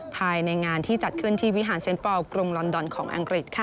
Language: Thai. ภายในงานที่จัดขึ้นที่วิหารเซ็นเปลกรุงลอนดอนของอังกฤษ